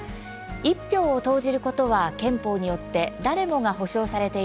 一票を投じることは憲法によって誰もが保障されている権利です。